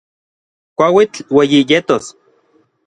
Kuauitl ueyi yetos.